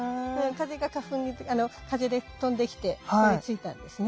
風が花粉に風で飛んできてここについたんですね。